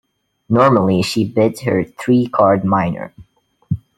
Normally, she bids her three-card minor.